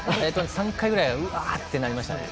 ３回ぐらいうわあってなりましたね。